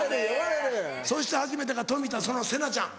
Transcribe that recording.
そして初めてが冨田せなちゃん。